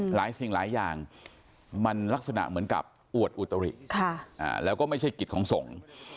สิ่งหลายอย่างมันลักษณะเหมือนกับอวดอุตริแล้วก็ไม่ใช่กิจของสงฆ์